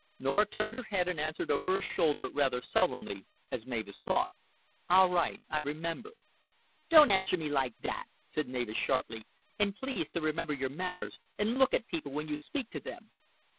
Norah turned her head and answered over her shoulder, rather sullenly, as Mavis thought. "All right. I remember." "Don't answer me like that," said Mavis sharply. "And please to remember your manners, and look at people when you speak to them."